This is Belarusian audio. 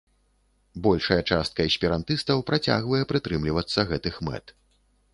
Большая частка эсперантыстаў працягвае прытрымлівацца гэтых мэт.